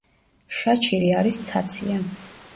შაჩირი არის ცაცია.